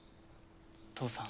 父さん。